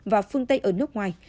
và phương tây ở nước ngoài